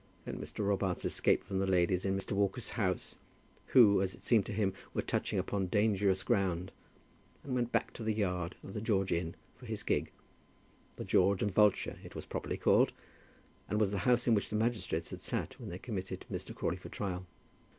Then Mr. Robarts escaped from the ladies in Mr. Walker's house, who, as it seemed to him, were touching upon dangerous ground, and went back to the yard of the George Inn for his gig, the George and Vulture it was properly called, and was the house in which the magistrates had sat when they committed Mr. Crawley for trial.